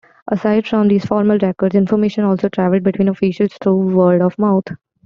Aside from these formal records, information also travelled between officials through word of mouth.